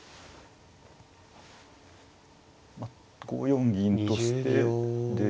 ５四銀としてで。